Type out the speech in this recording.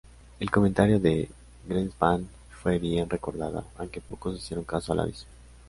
El comentario de Greenspan fue bien recordado, aunque pocos hicieron caso al aviso.